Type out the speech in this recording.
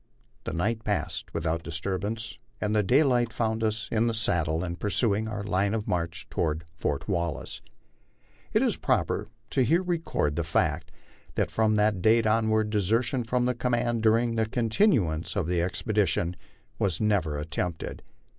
The night passed without disturbance, and daylight found us in the saddle and pursuing our line of march toward Fort Wallace. It is proper to hew 74 MY LIFE ON THE PLAINS. record the fact that from that date onward desertion from that command during the continuance of the expedition was never attempted.